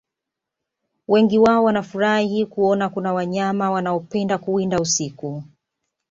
Wengi wao wanafurahi kuona kuna wanyama wanaopenda kuwinda usiku